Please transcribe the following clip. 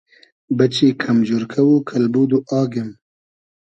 بئچی کئم جورکۂ و کئلبود و آگیم